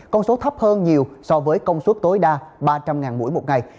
con số thấp hơn nhiều so với công suất tối đa ba trăm linh mũi bệnh